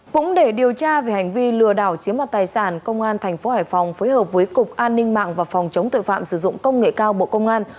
cũng để điều tra về hành vi lừa đảo chiếm đoạt tài sản công an tp hải phòng phối hợp với cục an ninh mạng và phòng chống tội phạm sử dụng công nghệ cao bộ công an